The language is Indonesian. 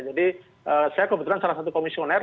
jadi saya kebetulan salah satu komisioner